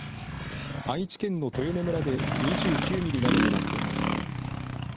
愛知県の豊根村で２９ミリなどとなっています。